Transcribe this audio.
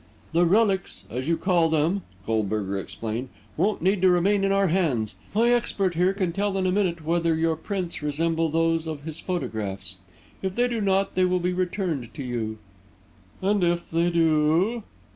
"The relics, as you call them," Goldberger explained, "won't need to remain in our hands. My expert here can tell in a minute whether your prints resemble those of his photographs. If they do not, they will be returned to you." "And if they do?"